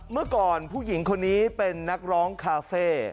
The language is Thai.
เมื่อก่อนผู้หญิงคนนี้เป็นนักร้องคาเฟ่